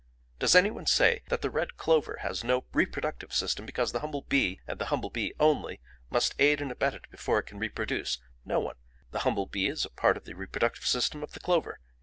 Does any one say that the red clover has no reproductive system because the humble bee (and the humble bee only) must aid and abet it before it can reproduce? No one. The humble bee is a part of the reproductive system of the clover.